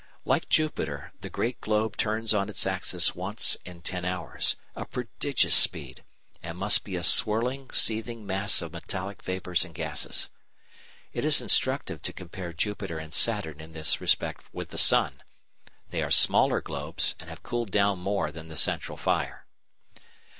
Like Jupiter, the great globe turns on its axis once in ten hours a prodigious speed and must be a swirling, seething mass of metallic vapours and gases. It is instructive to compare Jupiter and Saturn in this respect with the sun. They are smaller globes and have cooled down more than the central fire.